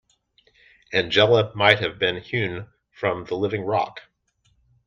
Angela might have been hewn from the living rock.